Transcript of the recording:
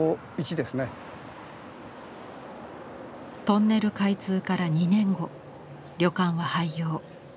トンネル開通から２年後旅館は廃業。